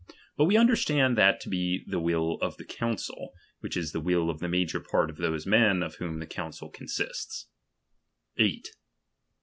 Bat we understand that to be the will of the cooncilj which is the will of the major part of those men of whom the council consists, • 8.